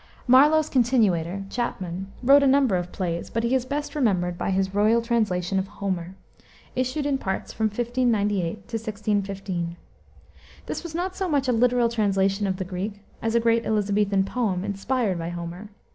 Marlowe's continuator, Chapman, wrote a number of plays, but he is best remembered by his royal translation of Homer, issued in parts from 1598 1615. This was not so much a literal translation of the Greek, as a great Elisabethan poem, inspired by Homer.